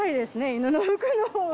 犬の服の方が。